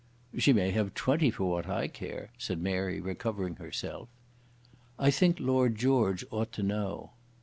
"She may have twenty, for what I care," said Mary, recovering herself. "I think Lord George ought to know."